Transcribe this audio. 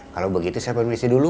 kalau begitu saya permisi dulu